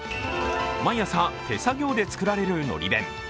毎朝、手作業で作られる海苔弁。